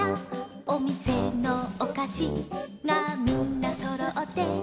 「おみせのおかしがみんなそろって」